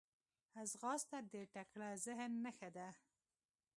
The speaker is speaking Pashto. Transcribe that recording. ځغاسته د تکړه ذهن نښه ده